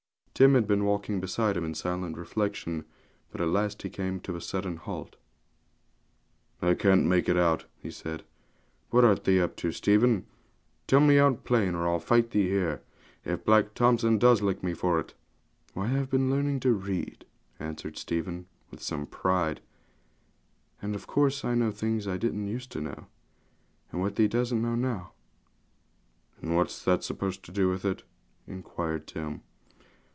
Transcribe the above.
Tim had been walking beside him in silent reflection; but at last he came to a sudden halt. 'I can't make it out,' he said. 'What art thee up to, Stephen? Tell me out plain, or I'll fight thee here, if Black Thompson does lick me for it.' 'Why, I've been learning to read,' answered Stephen, with some pride, 'and of course I know things I didn't used to know, and what thee doesn't know now.' 'And what's that to do with it?' inquired Tim.